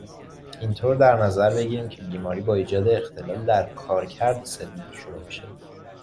اینطور در نظر بگیریم که بیماری با ایجاد اختلال در کارکرد سلول شروع میشه.